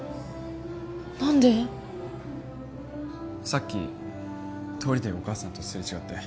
さっき通りでお母さんと擦れ違って。